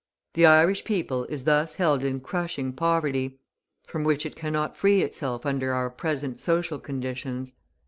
The Irish people is thus held in crushing poverty, from which it cannot free itself under our present social conditions.